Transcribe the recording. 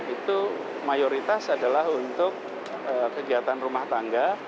itu mayoritas adalah untuk kegiatan rumah tangga